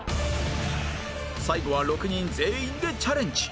最後は６人全員でチャレンジ